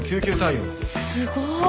すごい！